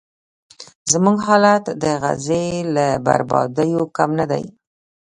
زموږ حالت د غزې له بربادیو کم نه دی.